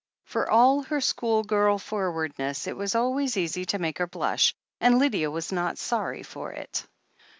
For all her schoolgirl forwardness, it was always easy to make her blush, and Lydia was not sorry for it.